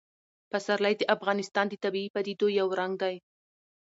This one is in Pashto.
پسرلی د افغانستان د طبیعي پدیدو یو رنګ دی.